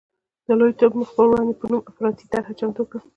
د لوی ټوپ مخ په وړاندې په نوم یې افراطي طرحه چمتو کړه.